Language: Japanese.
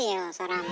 もう。